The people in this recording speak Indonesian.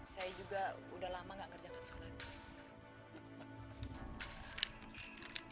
saya juga sudah lama tidak mengerjakan sholat